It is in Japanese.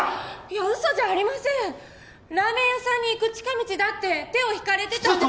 いや嘘じゃありませんラーメン屋さんに行く近道だって手を引かれてたんです